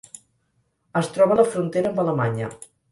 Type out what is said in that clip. Es troba a la frontera amb Alemanya.